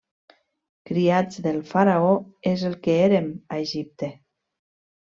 Criats del Faraó és el que érem a Egipte.